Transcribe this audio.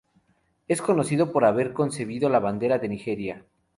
Es conocido por haber concebido la bandera de Nigeria.